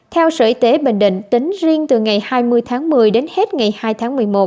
theo sở y tế bình định tính riêng từ ngày hai mươi tháng một mươi đến hết ngày hai tháng một mươi một